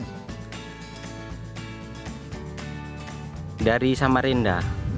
dari samadhi pulau ini juga cocok untuk menikmati air laut yang sangat jernih